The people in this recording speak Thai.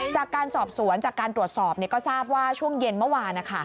จากการสอบสวนจากการตรวจสอบก็ทราบว่าช่วงเย็นเมื่อวาน